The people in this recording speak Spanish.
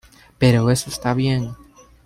Pero eso esta bien.